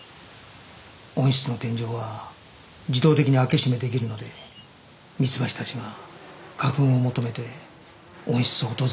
温室の天井は自動的に開け閉め出来るのでミツバチたちが花粉を求めて温室を訪れるそうです。